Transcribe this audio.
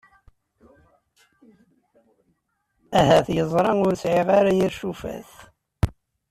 Ahat yeẓra ur sɛiɣ ara yir cufat!